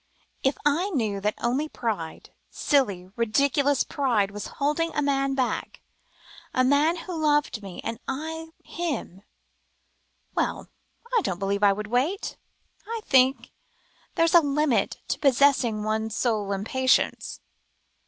"If I knew that only pride, silly, ridiculous pride, was holding a man back, a man who loved me and I him well, I don't believe I would wait. I think there's a limit to possessing one's soul in patience."